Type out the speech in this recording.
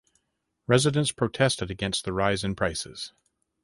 Residents protested against the rise in prices.